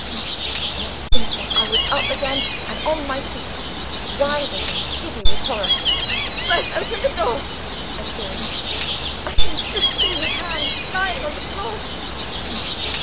The next instant, I was up again on my feet, wild and giddy with horror. "Burst open the door!" I screamed. "I can just see his hand lying on the floor!"